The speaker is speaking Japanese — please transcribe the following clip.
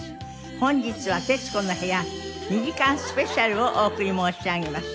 本日は『徹子の部屋』２時間スペシャルをお送り申し上げます。